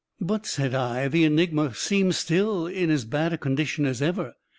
_'" "But," said I, "the enigma seems still in as bad a condition as ever.